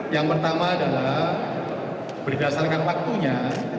yang pertama adalah berdasarkan waktunya